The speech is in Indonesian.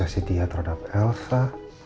tersedia terhadap elsa